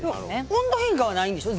温度変化はないんでしょ？